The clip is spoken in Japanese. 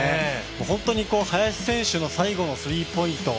本当に林選手の最後のスリーポイント。